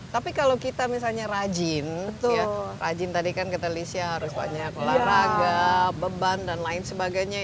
tapi kalau kita misalnya rajin rajin tadi kan kata licia harus banyak olahraga beban dan lain sebagainya